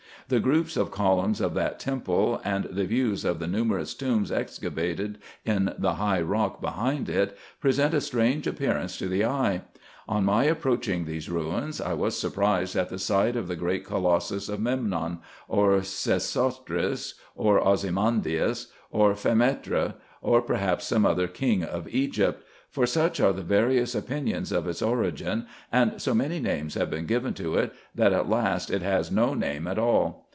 The groups of columns of that temple, and the views of the numerous tombs excavated in the high rock behind it, present a strange appearance to the eye. On my approaching these ruins, I was surprised at the sight of the great colossus of Memnon, or Sesostris, or Osymandias, or Phame noph, or perhaps some other king of Egypt; for such are the various opinions of its origin, and so many names have been given to it, that at last it has no name at all.